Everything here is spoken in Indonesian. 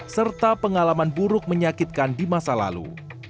serta pengalaman buruk menyakitkan di masa lalu